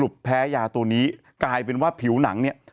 แพ้ยาตัวนี้กลายเป็นว่าผิวหนังเนี่ย